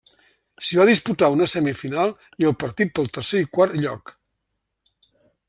S'hi va disputar una semifinal i el partit pel tercer i quart lloc.